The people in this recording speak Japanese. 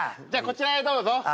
じゃあこちらへどうぞ。